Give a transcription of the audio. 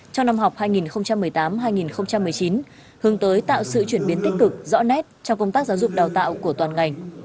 trong năm học hai nghìn một mươi tám hai nghìn một mươi chín hướng tới tạo sự chuyển biến tích cực rõ nét trong công tác giáo dục đào tạo của toàn ngành